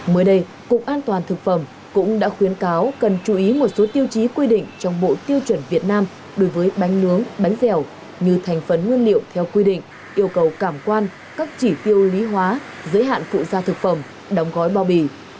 mới đây cục an toàn thực phẩm cũng đã khuyến cáo cần chú ý một số tiêu chí quy định trong bộ tiêu chuẩn việt nam đối với bánh nướng bánh dẻo như thành phần nguyên liệu theo quy định yêu cầu cảm quan các chỉ tiêu lý hóa giới hạn phụ gia thực phẩm đóng gói bao bì